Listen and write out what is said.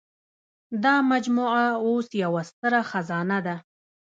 دا مجموعه اوس یوه ستره خزانه ده.